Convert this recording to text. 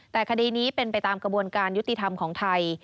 แต่คดีนี้เป็นไปตามกระบวนการยุติธรรมของไทย